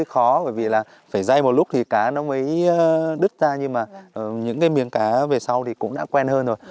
hơi khó bởi vì là phải dây một lúc thì cá nó mới đứt ra nhưng mà những cái miếng cá về sau thì cũng đã quen hơn rồi